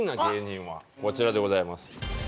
こちらでございます。